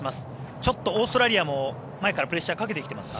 ちょっとオーストラリアも前からプレッシャーかけてきてますか？